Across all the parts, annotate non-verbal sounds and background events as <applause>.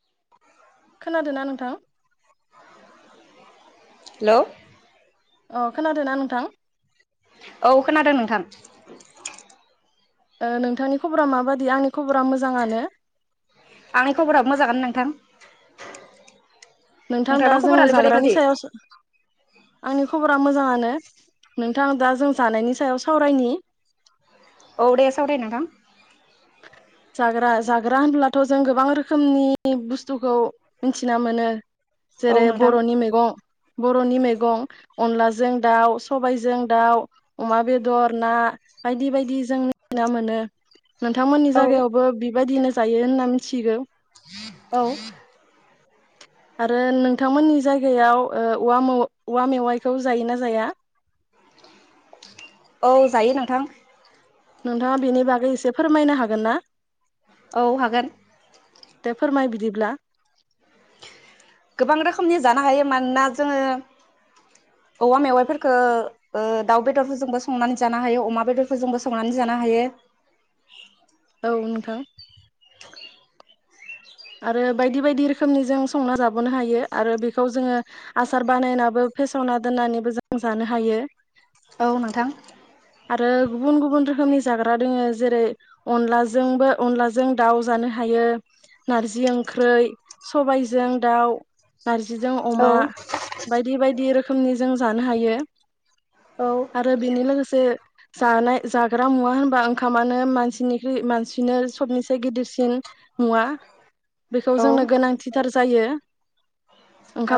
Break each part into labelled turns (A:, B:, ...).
A: <inaudible>
B: खोनादो ना नोंथां?
A: हेलौ
B: अ खोनादो ना नोंथां?
A: औ खोनादों नोंथां।
B: ओ नोंथांनि खबरा माबादि? आंनि खबरा मोजाङानो।
A: आंनि खबरा मोजाङानो नोंथां।
B: नोंथां दा
A: नोंथांना
B: जोङो
A: खबरालाय बोरै
B: जाग्रानि
A: बादि
B: सायावसो आंनि खबरा मोजाङानो नोंथां दा जों जानायनि सायाव सावरायनि।
A: औ दे सावराय नोंथां।
B: जाग्रा जाग्रा होनब्लाथ' जों गोबां रोखोमनि बुस्थुखौ मिथिना मोनो।
A: औ
B: जेरै
A: नोंथां
B: बर'नि मैगं बर'नि मैगं अनलाजों दाउ सबायजों दाउ, अमा बेदर, ना बायदि बायदि जों मिथिना मोनो। नोंथांमोन
A: औ
B: जागायावबो बिबायदिनो जायो होनना मिथिगौ।
A: औ
B: आरो नोंथांमोननि जायगायाव ओ औवा मौ औवा मेवाइखौ जायोना जाया?
A: औ जायो नोंथां।
B: नोंथाङा बेनि बागै एसे फोरमायनो हागोन ना?
A: औ हागोन।
B: दे फोरमाय बिदिब्ला।
A: गोबां रोखोमनि जानो हायो मानोना जोङो औवा मेवाइफोरखो ओ दाउ बेदरफोरजोंबो संनानै जानो हायो अमा बेदरफोरजोंबो संनानै जानो हायो।
B: गौ नोंथां। आरो बायदि बायदि रोखोमनि जों संना जाबावनो हायो आरो बेखौ जोङो आसार बानायनाबो फेसावना दोननानैबो जों जानो हायो।
A: औ नोंथां
B: आरो गुबुन गुबुन रोखोमनि जाग्रा दोङो जेरै अनलाजोंबो अनलाजों दाउ जानो हायो। नारजि ओंख्रै, सबायजों दाउ नारजिजों
A: औ
B: अमा बायदि बायदि रोख रोखोमनि जों जानो हायो।
A: औ
B: आरो बेनि लोगोसे। जानाय जाग्रा मुवा होनबा ओंखामानो मानसिनिख्रुइ मानसिनो सबनि गिदिरसिन मुवा। बेखौ जोंनो गोनांथिथार जायो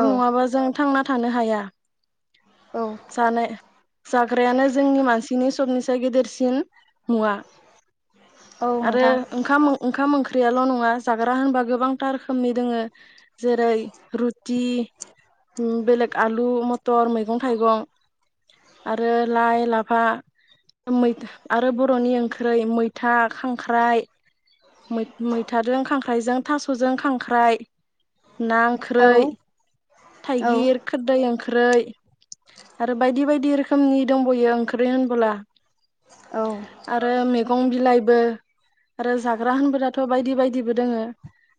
A: औ
B: नङाबा जों थां थांना थानो हाया।
A: औ
B: जानाय जाग्रायानो जोंनि मानसिनि सबनिसाय गेदेरसिन मुवा।
A: औ
B: आरो
A: नोंथां
B: ओंखाम ओंखाम, ख्रियाल नङा। जाग्रा होनबा गोबांथा रोखोमनि दोङो जेरै रुटि बेलेग आलु मथर मैगं थाइगं आरो लाइ-लाफाै आरो बरनि ओंख्रै मैथा, खांख्राय। खांख्राइ मै-मैथादों जों थासजों खांख्राइ। ना
A: औ
B: ओख्रै।
A: औ
B: थाइगिर खोरदै ओंख्रै। आरो बायदि बायदि रोखोमनि दंबयो ओंख्रि होनबोला। आरो मैगं बिलाइ। आरो जाग्रा होनबाथ बायदि बायदिबो दोङो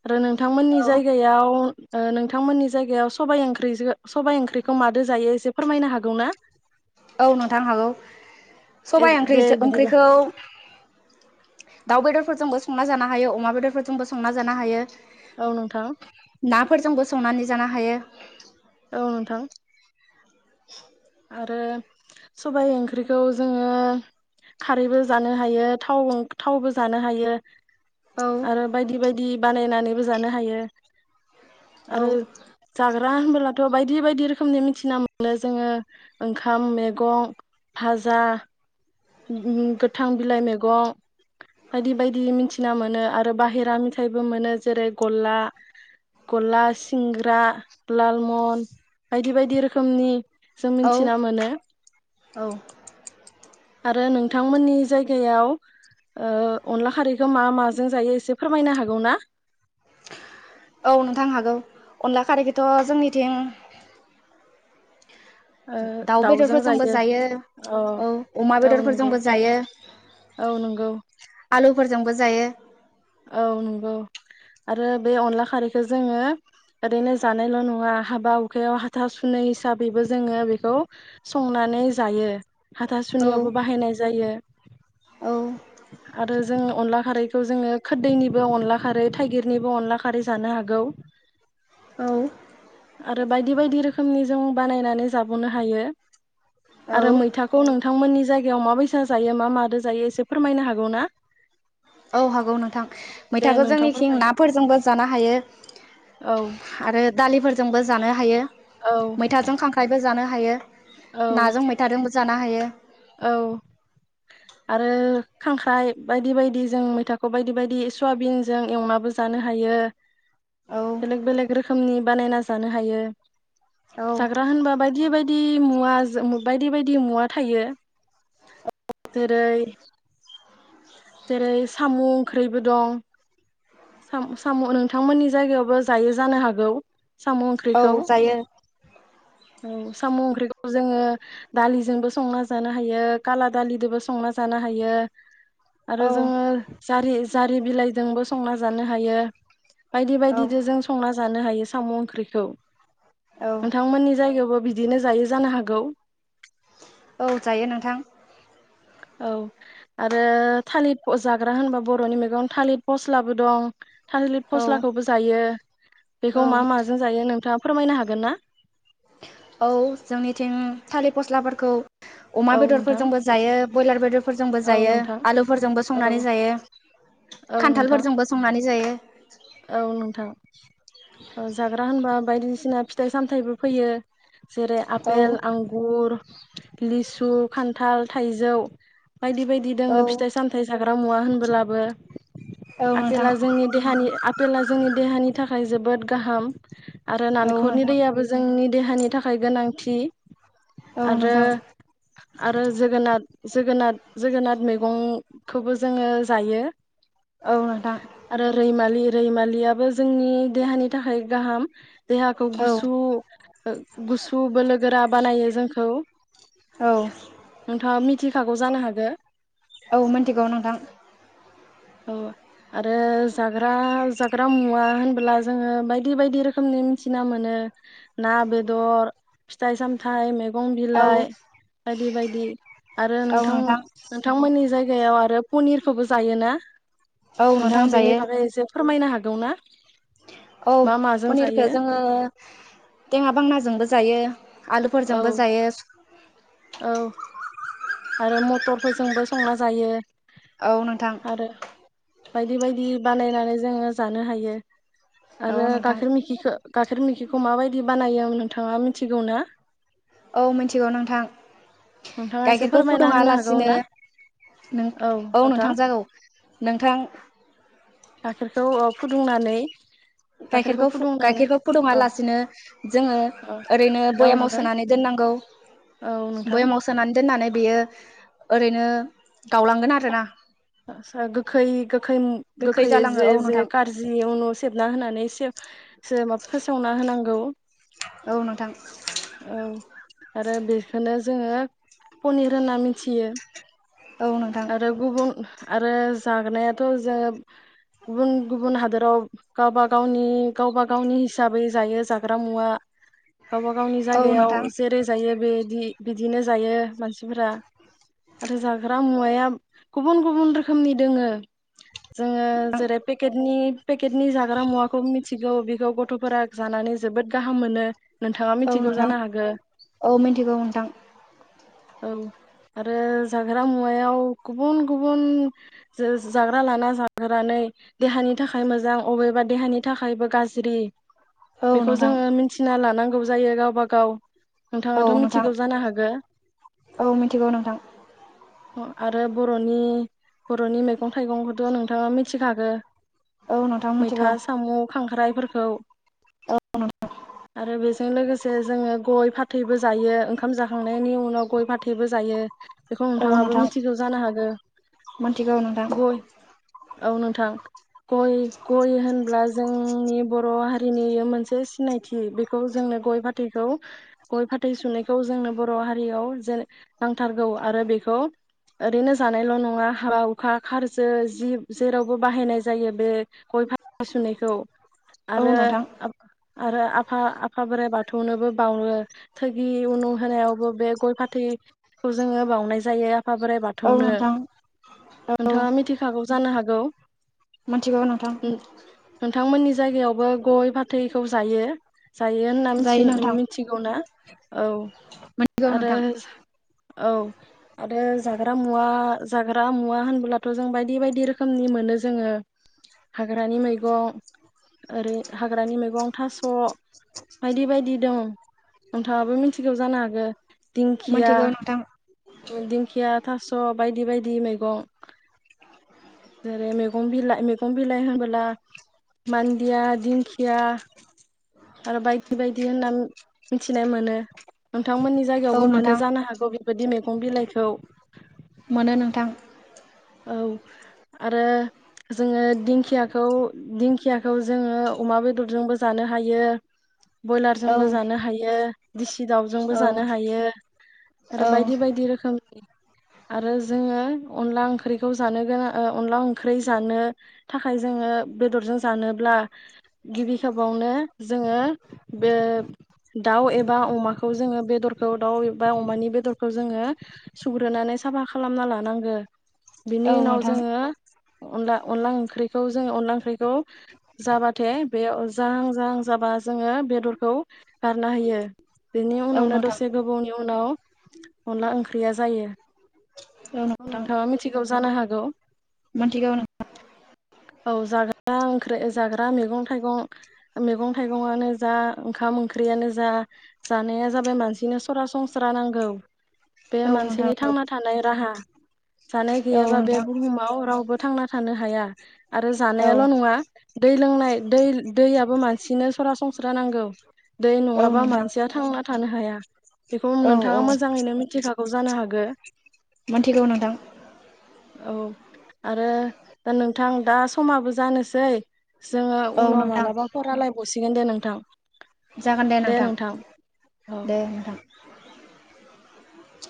B: आरो नोंथांमोननि जायगायाव ओ नोंथांमोननि जायगायाव सबाइ ओंख्रि सबाइ ओंख्रिखौ मादो जायो एसे फोरमायनो हागौ ना?
A: औ नोंथां हागौ सबाइ
B: दे बिदिबा
A: ओंख्रिखौ दाउ बेदरफोरजोंबो संना जानो हायो अमा बेदरफोरजोंबो संना जानो हायो।
B: औ नोंथां
A: नाफोरजोंबो संनानै जानो हायो। <inaudible>
B: औ नोंथां। आरो सबाय ओंख्रिखौ जोङो खारैबो जानो हायो थाव थावबो जानो हायो
A: औ
B: आरो बायदि बायदि बानायनानैबो जानो हायो
A: औ
B: आरो जाग्रा होनब्लाथ' बायदि बायदि रोखोमनि मिथिना मोनो जोङो। ओंखाम मैगं भाजा। गोथां बिलाइ मैगं बायदि बायदि मिथिना मोनो आरो बाहेरा मेथाइबो मोनो जेरै गला गला सिंग्रा लालमन बायदि बायदि रोखोमनि। जों
A: औ
B: मिथिना मोनो।
A: औ
B: आरो नोंथांमोननि जायगायाव ओ अनला खारैखौ मा माजों जायो एसे फोरमायनो हागौ ना?
A: औ नोंथां हागौ अनला खारैखौथ जोंनिथिं।
B: ओ
A: दाउ
B: दाउजों
A: बेदरफोरजोंबो जायो औ अमा
B: औ नंगौ
A: बेदरफोरजोंबो जायो।
B: औ नंगौ
A: आलुफोरजोंबो जायो।
B: औ नंगौ। आरो बे अनला खारैखौ जोङो ओरैनो जानायल नङा हाबा हखायाव हाथा सुनि हिसाबैबो जोङो बेखौ संनानै जायो हाथा
A: औ
B: सुनियावबो बाहायनाय जायो
A: औ
B: आरो जों अनला खारैखौ जोङो। खदैनिबो अनला खारै थाइगिरनिबो अनला खारै जानो हागौ
A: औ
B: आरो बायदि बायदि रोखोमनि जों बानायनानै जाबावनो हायो।
A: औ
B: आरो मैथाखौ नोंथांमोननि जायगायाव माबैसा जायो मा माद जायो एसे फोरमायनो हागौ ना?
A: औ हागौ नोंथां
B: दे
A: मैथाखौ
B: नोंथां
A: जोंनिखिं
B: फोरमाय
A: नाफोरजोंबो जानो हायो
B: औ
A: आरो। दालिफोरजोंबो जानो हायो
B: औ
A: मैथाजों खांख्राय बो जानो हायो
B: औ
A: नाजों मैथादों जानो हायो
B: औ आरो खांख्राइ बायदि बायदि जों मैथाखौ बायदि बायदि सयाबिनजों एवनाबो जानो हायो
A: औ
B: बेलेग बेलेग रोखोमनि बानायना जानो हायो
A: औ
B: जाग्रा होनबा बायदि बाय दि मुवाजो बायदि बायदि मुवा थायो जेरै जेरै साम ओंख्रिबो दं साम सामु नोंथांमोननि जायगायावबो जायो जानो हागौ साम
A: औ
B: ओंख्रिखौ
A: जायो
B: औ साम ओंख्रिखौ जोङो दालिजोंबो संना जानो हायो काला दालिजोंबो संना जानो हायो आरो
A: औ
B: जोङो जारि जारि बिलाइजोंबो संना जानो हायो बायदि
A: औ
B: बायदिजों जों संना जा- नो हायो ओंख्रिखौ
A: औ
B: नोंथांमोननि जायगायावबो बिदिनो जायो जानो हागौ?
A: औ जायो नोंथां
B: औ आरो थालिर जाग्रा होनबा बरनि मेगं थालिर फस्लाबो दं थासलि
A: औ
B: फस्लाखौबो जायो बेखौ
A: औ
B: मा माजों जायो नोंथाङा फोरमायनो हागोन ना?
A: औ जोंनिथिं थालिर फस्लाफोरखौ अमा
B: औ नोंथां
A: बेदरफोरजोंबो जायो ब्रयलार बेदरफोर फोरजोंबो
B: औ
A: जायो
B: नोंथां
A: आलुफोरजोंबो
B: औ
A: संनानै जायो
B: औ नोंथां
A: खान्थालफोरजोंबो संनानै जायो
B: औ नोंथां औ जाग्रा होनबा बायदिसिना फिथाइ सामथायाइबो फैयो जेरै
A: औ
B: आपेल आंगुर लिसु खान्थाल थाइजौ बायदि बायदि
A: औ
B: दोङो फिथाइ सामथाय जागोन हागा मुवा होनबोलाबो
A: औ नोंथां
B: आफेला जोंनि देहानि जेला जोंनि देहानि थाखाय जोबोद गाहाम आरो
A: औ
B: नालेंखरनि
A: नोंथां
B: दैयाबो जोंनि देहानि थाखाय गोनांथि
A: औ
B: आरो
A: नोंथां
B: आरो जोगोनार जोगोनार जोगोनार मैगंखौबो जोङो जायो
A: औ नोंथां
B: आरो रैमालि बिमालियाबो जोंनि देहानि थाखाय गाहाम देहाखौ
A: औ
B: गुसु गुसु बोलो गोरा बानायो जोंखौ
A: औ
B: नोंथाङा मिथिखागौ जानो हागोन <inaudible>
A: औ मोनथिगौ नोंथां
B: औ आरो जाग्रा जाग्रा मुवा होनबोला जोङो बायदि बायदि रोखोमनि मिथिना मोनो ना बेदर फिथाइ सामथाइ मैगं
A: औ
B: बिलाइ बायदि बायदि आरो नोंथां नोंथांमोननि जायगायाव आरो पनिरखौबो जायो ना?
A: औ नोंथां जायो
B: फोरमायनो हागौ ना?
A: औ
B: मा माजों
A: पनिरखौ
B: जायो
A: जोङो देङा बांनाजोंबो जायो
B: औ
A: आलुफोरजोंबो जायो <inaudible>
B: औ आरो मटरफोरजोंबो संना जायो
A: औ नोंथां
B: आरो बायदि बायदि बानायनानै जोङो जानो हायो
A: औ
B: आरो
A: नोंथां
B: गाखेर मिखिखो गाइखेर मोखिखौ माबायदि बानायो नोंथाङा मिथिगौ ना?
A: औ मिथिगौ नोंथां नोंथां
B: नोंथाङा एसे
A: गाइखेरखौ
B: फोरमायना
A: फुदुङा
B: होनो हागौ
A: लासिनो
B: ना
A: औ नोंथां जागौ नोंथां
B: गाइखेरखौ फुदुंनानै
A: गाइखेरखौ गाइखेरखौ फुदुङा
B: औ
A: लासिनो जोङो
B: औ
A: ओरैनो
B: औ
A: भयामाव
B: नोंथां
A: सोनानै दोननांगौ
B: औ नोंथां
A: भयामाव सोनानै दोननानै बेयो ओरैनो गावलांगोन आरोना
B: आसा गोखै गोैखै गोखै
A: जालाङो
B: जे
A: औ नोंथां
B: जे कारजि न' सेबना होनानै <unintelligible> जे मा फोसावना होनांगौ
A: औ नोंथां
B: औ आरो बेखौनो जोङो पनिर होनना मिथियो
A: औ नोंथां
B: आरो गुबुन आरो जानायाथ जोङो गुबुन गुबुन हादोराव गावबा गावनि गावबा गावनि हिसाबै जायो जाग्रा मुवा। गावनि
A: औ
B: जायगायाव
A: नोंथां
B: जेरै जायो बेदि। बिदिनो जायो मानसिफोरा आरो जाग्रा मुवाया गुबुन गुबुन रोखोमनि दोङो। जोङो जेरै पेकेटनि पेकटनि नि जाग्रा मुवाखौ मि मिथिगौ बेखौ गथ फोरा जानानै जोबोद गाहाम मोनो नोंथां।
A: औ नोंथां औ मिन्थिगौ नोंथां।
B: औ आरो जाग्रा मुवायाव गुबुन गुबुन जाग्रा लाना जाहोनानै देहानि थाखाय मोजां अबेबा देहानि थाखायबो गाज्रि
A: औ
B: बेखौ
A: नोंथां
B: जोङो मिथिना लानांगो जायो गावबा गाव।
A: औ नोंथां
B: मिथिगौ जानो हागो
A: औ मिथिगौ नोंथां।
B: आरो बरनि बरनि मै गं थाइगंखौथ नोंथाङा मिथि खागो
A: औ नोंथां मिथिगौ
B: मैथा साम खांख्राइ फो औ। आरो बेस लोगोसे जोङो गय फाथैबो जायो ओंखाम जाखांनायनि उनाव गय फाथैबो जायो। बेखौ
A: औ
B: नोंथाङाबो
A: नोंथां
B: मिथिगौ जानो हागौ
A: मिथिगौ नोंथां
B: गय औ नोंथां गय गय होनब्ला जोंनि बर हारि दिनै मोनसे सिनायथि बेखौ जोंनो गय फाथैखौ गय फाथै सुनायखौ जोंनो बर हारियाव जेन नांथारगौ आरो बेखौ ओरैनो जानायल नङा हाबा हुखा खारजो जि जेरावबो बाहायनाय जायो बे गय फाथै सुनैखौ
A: औ
B: आरो
A: नोंथां
B: आरो आफा आफा बोराइ बाथौनोबो बावो थोगि उनु होनायावबो बे गय फाथैखौ जोङो बावनाय जायो। आफा बोराइ
A: औ
B: बाथौनो
A: नोंथां औ
B: नोंथाङा मिथिखागौ जानो हा औ।
A: मिथिगौ नोंथां
B: नोंथांमोननि जा जायगायावबो गय फाथैखौ जायो जायो होनना
A: जायो नोंथां
B: मिथिगौ ना औ
A: मिथिगौ
B: आरो
A: नोंथां
B: औ आरो जाग्रा मुवा जाग्रा मुवा होनबोब्लाथ जों बायदि बायदि रोखोमनि मोनो जोङो हाग्रानि मैगं ओरै हाग्रानि मैगं थास बायदि बायदि दं नोंथाङाबो मिथिगौ जानो हागौ दिंखिया
A: मिथिगौ नोंथां
B: दिंखिया थासब बायदि बायदि मैगं जेरै मैगं बिलाइ मैगं बिलाइ होनबोला मान्दे दिंखिया आरो बायदि बायदि होनना मिथिनाय मोनो नोंथांमोननि
A: औ
B: जायगायावबो मोनो
A: नोंथां
B: जानो हागौ। बेबायदि मैगं बिलाइखौ।
A: मोनो नोंथां।
B: औ आरो जोङो दिंखियाखौ। दिंखियाखौ जोङो अमा बेदरजोंबो जानो हायो।
A: औ
B: ब्रयलारजोंबो जानो हायो दिसि दाउजोंबो
A: औ
B: जानो हायो आरो
A: औ
B: बायदि बायदि रोखोमनि। आरो जोङो अनला ओंख्रि ओंख्रिखौ जानो गोनां अनला ओंख्रि जानो थाखाय जोङो बेदरजों जानोब्ला गिबि खेबावनो जोङो बे दाउ एबा अमाखौ जोङो बेदरखौ दाउ एबा अमानि बेदरखौ जोङो सुग्रोनानै साफा खालामना लानांगो बिनि
A: औ
B: उनाव
A: नोंथां
B: जोङो अनला अनला ओंख्रिखौ जों अनला ओंख्रिखौ जाबाथे बे जाहां जाहां जाबा जोङो बेदरखौ गारना होयो बेनि
A: औ
B: उनावनो
A: नोंथां
B: दसे गोबावनि उनाव अनला ओंख्रिया जायो।
A: औ नोंथां
B: नोंथाङा मिथि मिथिगौ जानो हागौ।
A: मिथिगौ
B: औ जाग्रा ओंख्रि जाग्रा मैगं थाइगं मैगं थाइगंआनो जा ओंखाम ओंख्रियानो जा जानाया जाबाय मानसिनो सरासनस्रा नांगौ बे
A: औ नोंथां
B: मानसिनि थांना थानाय राहा। जानाय
A: औ
B: गैयाबा बे
A: नोंथां
B: बुहुमाव रावबो थांनानै थानो हाया। आरो
A: औ
B: जानायाल' नङा दै लोंनाय दै दैयाबो मानसिनो सरासन स्रा नांगौ। दै
A: औ
B: नङाबा
A: नोंथां
B: मानसिया थांना थानो हाया बेखौ
A: औ औ
B: नोंथाङा मोजाङैनो मिथिखागौ। जानो हागो
A: मोनथिगौ नोंथां।
B: औ आरो दा नोंथां दा समाबो जानोसै जोङो
A: औ
B: उनाव
A: नोंथां
B: मालाबाफो रालायबावस <unintelligible> दे नोंथां।
A: जागोन दे नोंथां
B: औ
A: दे नोंथां।